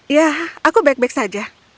ya aku baik baik saja